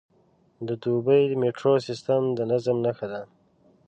د دوبی میټرو سیستم د نظم نښه ده.